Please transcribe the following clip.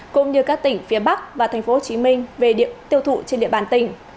cũng như các tỉnh phía bắc và tp hcm về tiêu thụ trên địa bàn tỉnh